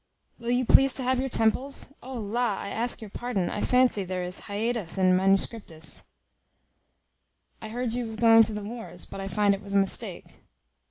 Will you please to have your temples O la! I ask your pardon, I fancy there is hiatus in manuscriptis. I heard you was going to the wars; but I find it was a mistake."